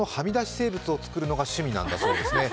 生物を作るのが趣味だそうなんですね。